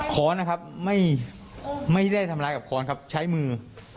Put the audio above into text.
้อนนะครับไม่ได้ทำร้ายกับค้อนครับใช้มือ